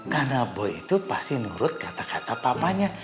karena boy itu pasti nurut kata kata papanya